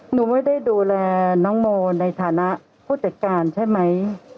หนูไม่ได้ดูแลน้องโมในฐานะผู้จัดการใช่ไหม